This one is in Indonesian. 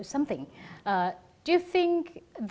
apakah anda pikir